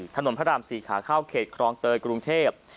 ถนนพระราม๔ขาเข้าเขตครองเตยกรุงเทพ